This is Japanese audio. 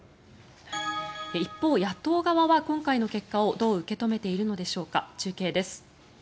一方、野党側は今回の結果をどう受け止めているのでしょうか中継です。